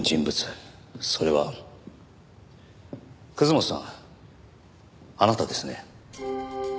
それは本さんあなたですね。